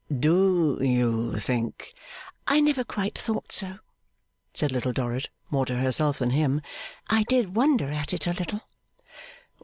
Do you think ' 'I never quite thought so,' said Little Dorrit, more to herself than him. 'I did wonder at it a little.